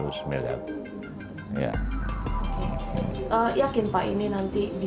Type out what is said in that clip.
yakin pak ini nanti bisa target sebagian dari lima ratus miliar